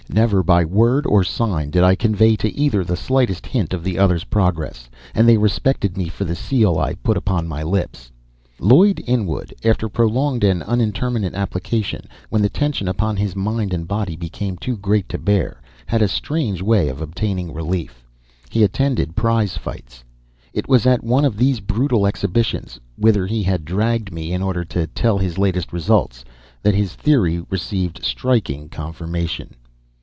Never, by word or sign, did I convey to either the slightest hint of the other's progress, and they respected me for the seal I put upon my lips. Lloyd Inwood, after prolonged and unintermittent application, when the tension upon his mind and body became too great to bear, had a strange way of obtaining relief. He attended prize fights. It was at one of these brutal exhibitions, whither he had dragged me in order to tell his latest results, that his theory received striking confirmation.